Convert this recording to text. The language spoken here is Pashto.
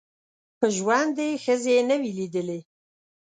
په ژوند یې ښځي نه وې لیدلي